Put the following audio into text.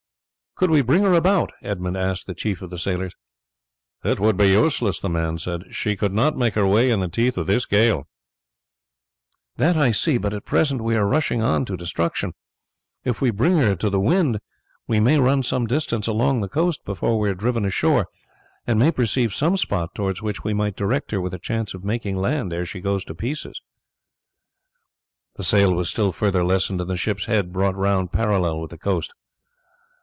"Could we bring her about?" Edmund asked the chief of the sailors. "It would be useless," the man said. "She could not make her way in the teeth of this gale." "That I see," Edmund said; "but at present we are rushing on to destruction. If we bring her to the wind we may run some distance along the coast before we are driven ashore, and may perceive some spot towards which we may direct her with a chance of making land ere she goes to pieces." The sail was still further lessened and the ship's head brought round parallel with the coast.